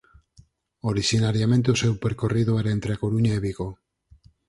Orixinariamente o seu percorrido era entre A Coruña e Vigo.